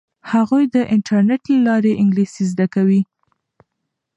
هغوی د انټرنیټ له لارې انګلیسي زده کوي.